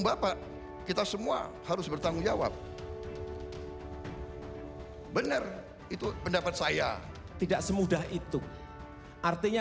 bapak kita semua harus bertanggung jawab benar itu pendapat saya tidak semudah itu artinya